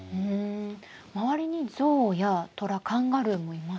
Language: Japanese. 周りにゾウやトラカンガルーもいますね。